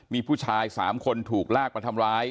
มีผู้ชาย๓คนถูกลากมาทำร้าย